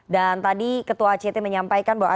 dan tadi ketua act menyampaikan bahwa